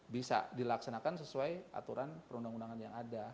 bisa dilaksanakan sesuai aturan perundang undangan yang ada